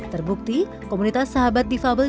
terbukti komunitas sahabat divabel